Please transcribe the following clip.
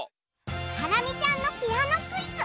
ハラミちゃんのピアノクイズ。